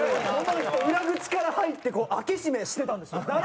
この人裏口から入ってこう開け閉めしてたんですよ。